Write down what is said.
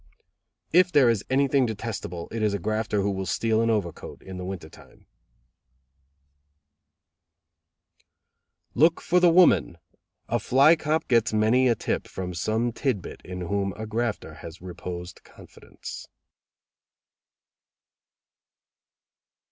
"If there is anything detestable, it is a grafter who will steal an overcoat in the winter time." "'Look for the woman.' A fly cop gets many a tip from some tid bit in whom a grafter has reposed confidence."